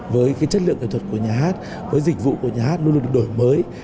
với chất lượng nghệ thuật của nhà hát với dịch vụ của nhà hát luôn luôn được đổi mới